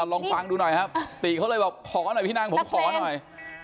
ลองฟังดูหน่อยครับติเขาเลยบอกขอหน่อยพี่นางผมขอหน่อย